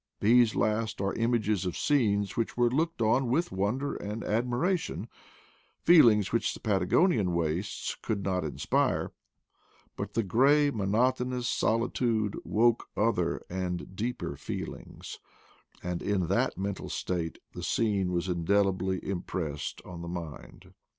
These last are images of scenes which were looked on with won der and admiration — feelings which the Patagon ian wastes could not inspire — but the gray, mo notonous solitude woke other and deeper feelings, and in that mental state the scene was indelibly impressed on the mind.